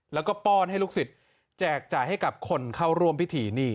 แล้วก็ป้อนให้ลูกศิษย์แจกจ่ายให้กับคนเข้าร่วมพิธีนี่